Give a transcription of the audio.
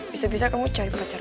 bisa bisa kamu cari pacar